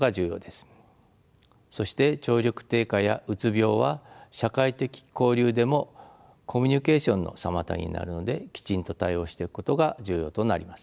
そして聴力低下やうつ病は社会的交流でもコミュニケーションの妨げになるのできちんと対応しておくことが重要となります。